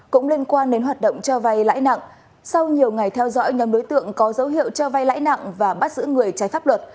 cũng liên quan đến hoạt động cho vay lãi nặng sau nhiều ngày theo dõi nhóm đối tượng có dấu hiệu cho vay lãi nặng và bắt giữ người trái pháp luật